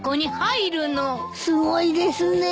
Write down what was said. すごいですね。